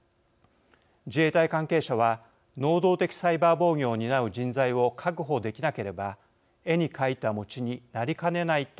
自衛隊関係者は能動的サイバー防御を担う人材を確保できなければ絵に描いた餅になりかねないと指摘します。